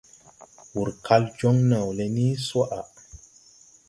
Wur kal joŋ naw le ni swaʼa.